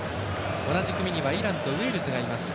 同じ組にはイランとウェールズがいます。